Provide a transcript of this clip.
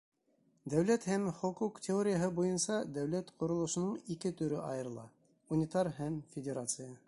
Дәүләт һәм хоҡуҡ теорияһы буйынса дәүләт ҡоролошоноң ике төрө айырыла: унитар һәм федерация.